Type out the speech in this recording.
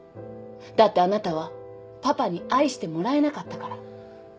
だってあなたはパパに愛してもらえなかったから。